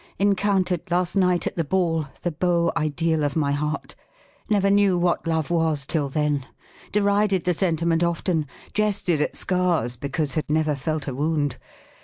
Encountered, last night, at the ball, the beau ideal of my heart. Never knew what love was till then. Derided the sentiment often ; jested at scars, because had never felt a wound.